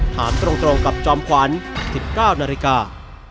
ถามตรงกับจอมขวัญ๑๙นาฬิกา